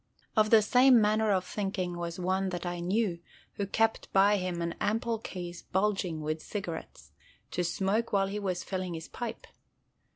Of the same manner of thinking was one that I knew, who kept by him an ample case bulging with cigarettes, to smoke while he was filling his pipe.